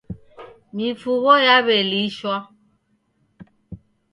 Mifugho yaw'elishwa.